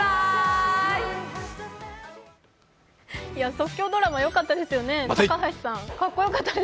即興ドラマよかったですよね、高橋さんかっこよかった。